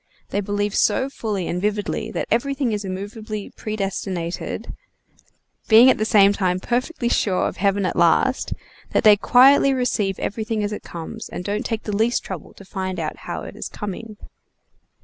They believe so fully and vividly that everything is immovably predestinated, being at the same time perfectly sure of heaven at last, that they quietly receive everything as it comes, and don't take the least trouble to find out how it is coming.